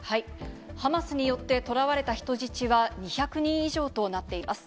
ハマスによってとらわれた人質は２００人以上となっています。